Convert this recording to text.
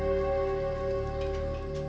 gimana sekarang essere